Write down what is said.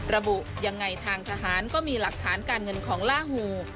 ระบุยังไงทางทหารก็มีหลักฐานการเงินของล่าฮู